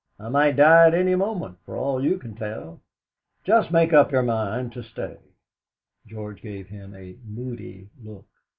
I might die at any moment, for all you can tell. Just make up your mind to stay." George gave him a moody look.